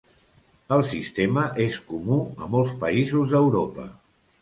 El sistema és comú a molts països d'Europa.